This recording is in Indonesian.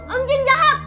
om jin jahat